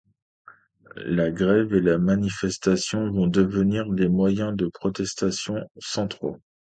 La grève et la manifestation vont devenir des moyens de protestation centraux.